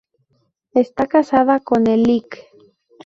Está casada con el Lic.